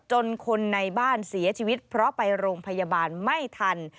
จนคนในบ้านเสียชีวิตเพราะไปโรงพยาบาลไม่ทัน